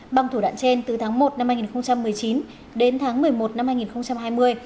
bằng thủ đoạn trên từ tháng một năm hai nghìn một mươi chín đến tháng một mươi một năm hai nghìn hai mươi